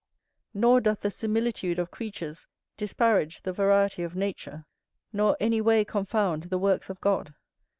Nor doth the similitude of creatures disparage the variety of nature, nor any way confound the works of God.